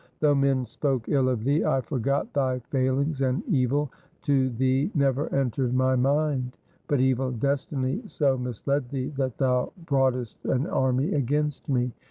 Though men spoke ill of thee, I forgot thy failings, and evil to thee never entered my mind ; but evil destiny so misled thee that thou broughtest an army against me.